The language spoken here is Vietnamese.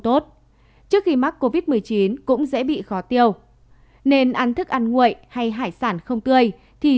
tốt trước khi mắc covid một mươi chín cũng dễ bị khó tiêu nên ăn thức ăn nguội hay hải sản không tươi thì